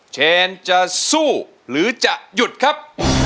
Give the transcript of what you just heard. เชนจะสู้หรือจะหยุดครับ